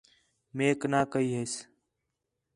میک نہ کَئی ہِس